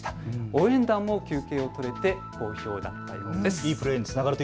応援団も休憩を取れて好評だったようです。